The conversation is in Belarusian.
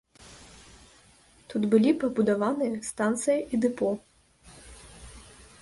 Тут былі пабудаваныя станцыя і дэпо.